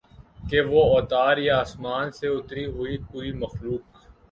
کہ وہ اوتار یا آسمان سے اتری ہوئی کوئی مخلوق